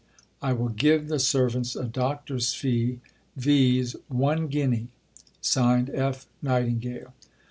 I will give the servants a Doctor's Fee, viz. One Guinea. Signed, F. Nightingale."